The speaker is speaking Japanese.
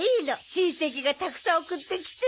親戚がたくさん送ってきてね。